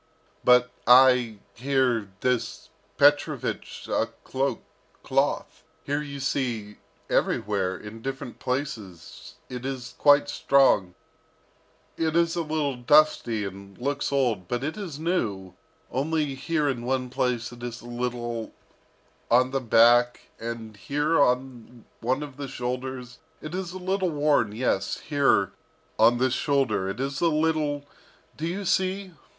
"But I, here, this Petrovich a cloak, cloth here you see, everywhere, in different places, it is quite strong it is a little dusty and looks old, but it is new, only here in one place it is a little on the back, and here on one of the shoulders, it is a little worn, yes, here on this shoulder it is a little do you see?